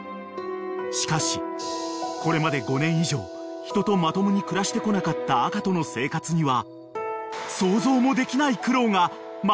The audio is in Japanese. ［しかしこれまで５年以上人とまともに暮らしてこなかった赤との生活には想像もできない苦労が待ち受けていたのです］